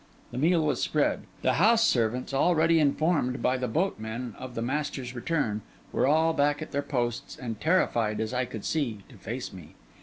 The meal was spread; the house servants, already informed by the boatmen of the master's return, were all back at their posts, and terrified, as I could see, to face me.